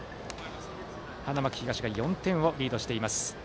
花巻東が４点をリードしています。